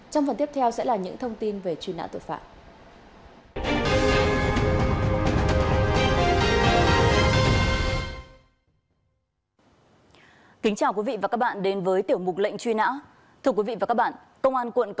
trong phần tiếp theo sẽ là những thông tin về truy nã tội phạm